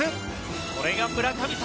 これが村神様！